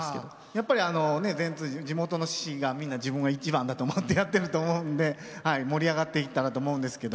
やっぱり地元の獅子がみんな一番だと思ってやってると思うので盛り上がっていったらと思うんですけど。